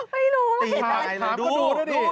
ไม่รู้